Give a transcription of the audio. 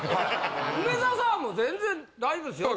梅沢さんはもう全然大丈夫ですよ。